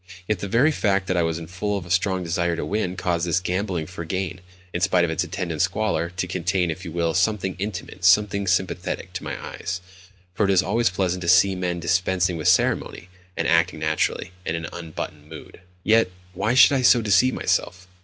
Yet the very fact that I was full of a strong desire to win caused this gambling for gain, in spite of its attendant squalor, to contain, if you will, something intimate, something sympathetic, to my eyes: for it is always pleasant to see men dispensing with ceremony, and acting naturally, and in an unbuttoned mood.... Yet why should I so deceive myself?